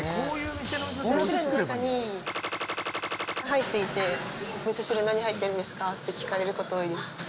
味噌汁の中にが入っていて、味噌汁何入ってるんですかって聞かれること多いです。